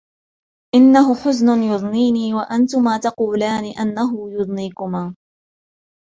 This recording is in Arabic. إنّهُ حزنٌ يضنيني، وأنتما تقولان أنه يضنيكما